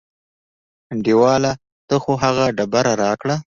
انډیواله ته خو هغه ډبره راکړه.